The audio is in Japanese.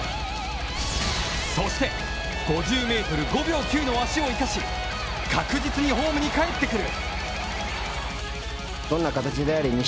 そして、５０メートル５秒９の足を生かし確実にホームに帰ってくる！